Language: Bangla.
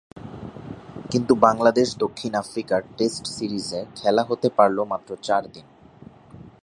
কিন্তু বাংলাদেশ-দক্ষিণ আফ্রিকার টেস্ট সিরিজে খেলা হতে পারল মাত্র চার দিন।